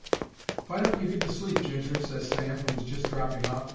"Why don't you get to sleep, Ginger?" ses Sam, who was just dropping off.